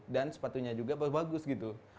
dan sepatunya juga bagus gitu